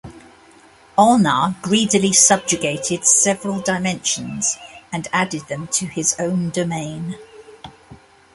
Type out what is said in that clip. Olnar greedily subjugated several dimensions and added them to his own domain.